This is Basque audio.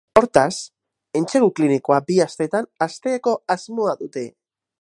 Hortaz, entsegu klinikoa bi astetan hasteko asmoa dute.